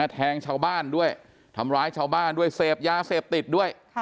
แทงชาวบ้านด้วยทำร้ายชาวบ้านด้วยเสพยาเสพติดด้วย